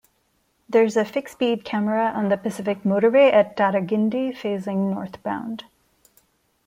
There is a fixed speed camera on the Pacific Motorway at Tarragindi, facing northbound.